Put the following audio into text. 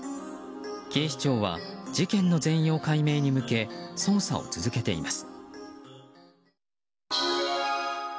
警視庁は事件の全容解明に向け捜査を続けています。